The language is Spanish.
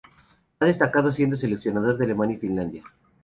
Ha destacado siendo seleccionador de Alemania y de Finlandia.